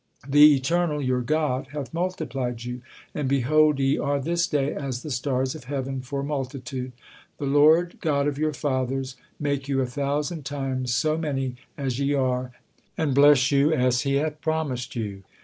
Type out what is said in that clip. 'The Eternal, your God, hath multiplied you, and behold, ye are this day as the stars of heaven for multitude. The Lord, God of you fathers, make you a thousand times so many as ye are, and bless you, as he hath promised you!"